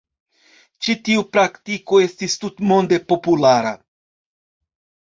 Ĉi tiu praktiko estis tutmonde populara.